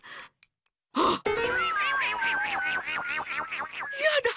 あっ⁉いやだ。